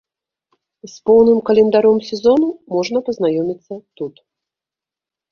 З поўным календаром сезону можна пазнаёміцца тут.